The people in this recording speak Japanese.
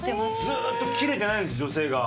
ずーっと切れてないんです女性が。